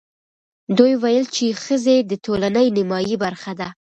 دوی ویل چې ښځې د ټولنې نیمايي برخه ده.